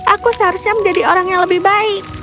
aku seharusnya menjadi orang yang lebih baik